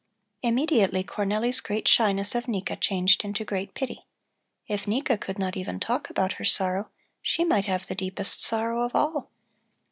Immediately Cornelli's great shyness of Nika changed into great pity. If Nika could not even talk about her sorrow, she might have the deepest sorrow of all.